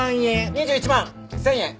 ２１万１０００円。